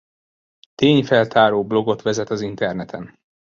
Tényfeltáró blogot vezet az interneten.